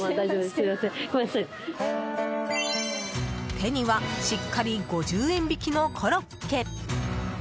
手にはしっかり５０円引きのコロッケ。